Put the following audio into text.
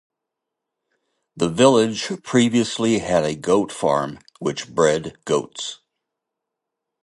The village previously had a goat farm which bred goats.